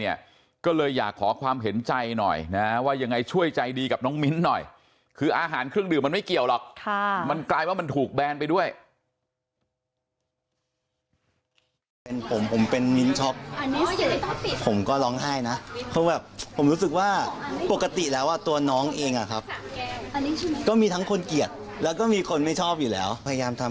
ยังไงช่วยใจดีกับน้องมิ้นน่ะคืออาหารเครื่องดื่มมันไม่เกี่ยวหรอกมันกลายว่ามันถูกแบนไปด้วย